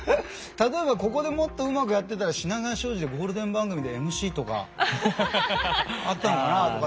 例えばここでもっとうまくやってたら品川庄司でゴールデン番組でＭＣとかあったのかなあとかって。